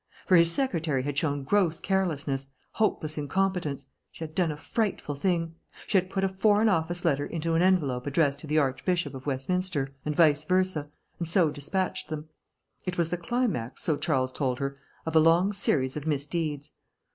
For his secretary had shown gross carelessness, hopeless incompetence: she had done a frightful thing. She had put a Foreign Office letter into an envelope addressed to the Archbishop of Westminster, and vice versa, and so despatched them. It was the climax, so Charles told her, of a long series of misdeeds.